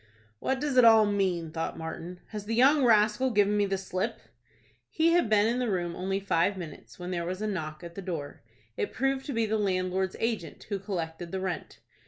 "What does it all mean?" thought Martin. "Has the young rascal given me the slip?" He had been in the room only five minutes, when there was a knock at the door. It proved to be the landlord's agent, who collected the rent.